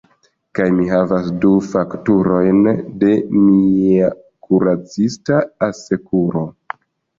Kaj mi havas du fakturojn de mia kuracista asekuro.